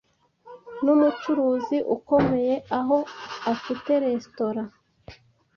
n'umucuruzi ukomeye aho afite restourent